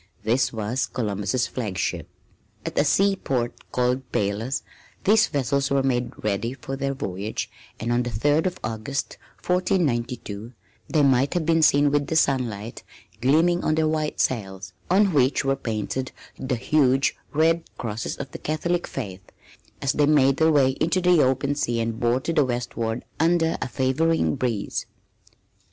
This was Columbus' flagship. At a seaport called Palos these vessels were made ready for their voyage and on the Third of August, 1492, they might have been seen with the sunlight gleaming on their white sails, on which were painted the huge red Crosses of the Catholic faith, as they made their way into the open sea and bore to the westward under a favoring breeze.